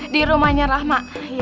di rumahnya rahma